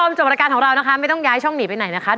ชมโจมตะการณ์ที่นี้ไม่ต้องย้ายช่องหนีนไปไหนนะครับ